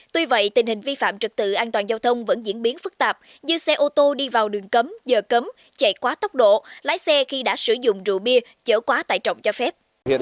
tuy vậy tình hình vi phạm trật tự an toàn giao thông vẫn diễn biến phức tạp như xe ô tô đi vào đường cấm giờ cấm chạy quá tốc độ lái xe khi đã sử dụng rượu bia chở quá tải trọng cho phép